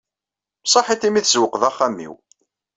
Saḥit i mi tzewwqeḍ axxam-iw.